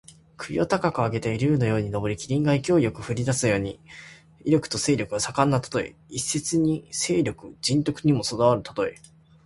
首を高く上げて竜のように上り、麒麟が勢いよく振るい立つように、威力や勢力が盛んなたとえ。一説に勢力・仁徳ともに備わるたとえ。